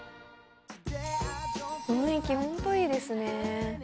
雰囲気ホントいいですね。